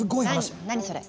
何何それ？